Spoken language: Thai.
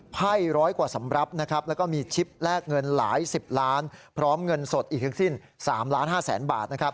ไพ่ร้อยกว่าสำรับและมีชิปแลกเงินหลาย๑๐ล้านพร้อมเงินสดอีกทั้งสิ้น๓๕ล้านบาท